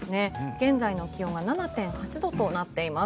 現在の気温は７．８度となっています。